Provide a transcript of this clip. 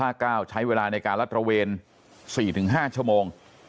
ท่อนภาคเกล้าใช้เวลาในการรัดตระเวน๔๕ชั่วโมง